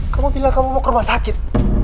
kamu bilang kamu mau ke rumah sakit